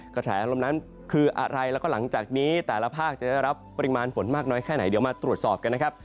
กระแสลมนั้นคืออะไรแล้วก็หลังจากนี้แต่ละภาคจะได้รับปริมาณฝนมากน้อยแค่ไหนเดี๋ยวมาตรวจสอบกันนะครับ